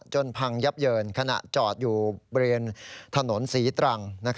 พังยับเยินขณะจอดอยู่บริเวณถนนศรีตรัง